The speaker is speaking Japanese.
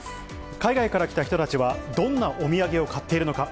海外から来た人たちは、どんなお土産を買っているのか。